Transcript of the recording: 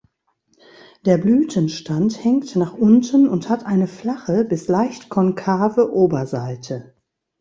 Der Blütenstand hängt nach unten und hat eine flache bis leicht konkave Oberseite.